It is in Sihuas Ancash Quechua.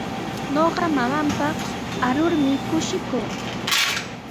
Ñuqa mamaapaq arurmi kushikuu.